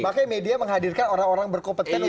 makanya media menghadirkan orang orang berkompetensi